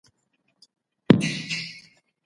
عزتمن سړی تل د نېکۍ پلوی وي.